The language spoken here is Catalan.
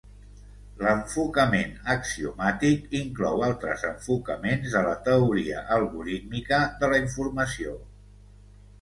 L'enfocament axiomàtic inclou altres enfocaments de la teoria algorítmica de la informació.